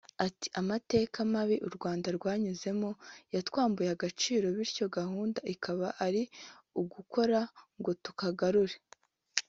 Ati “Amateka mabi u Rwanda rwanyuzemo yatwambuye agaciro bityo gahunda ikaba ari ugukora ngo tukagarure